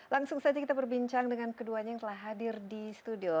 langsung saja kita berbincang dengan keduanya yang telah hadir di studio